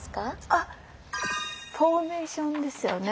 あ「フォーメーション」ですよね？